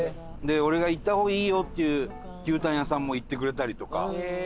俺が行った方がいいよっていう牛タン屋さんも行ってくれたりとか。